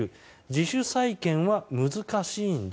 自主再建は難しいんだ。